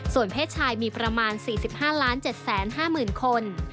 เพศชายมีประมาณ๔๕๗๕๐๐๐คน